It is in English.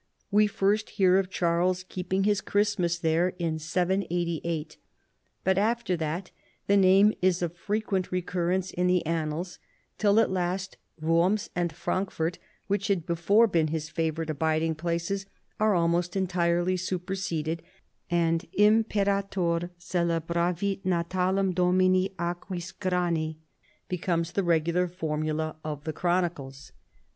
We fii st hear of Charles keeping his Christmas there in 788 : but after that the name is of frequent recurrence in the Annals till at last Worms and Frankfurt which had before been his favorite abiding places are almost entirely superseded, and " Imperator celebravit nata lem Domini Aquisgrani," * becomes the regular form ula of the chronicles.